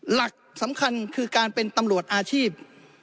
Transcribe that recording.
หลักสำคัญคือการเป็นตำรวจอาชีพ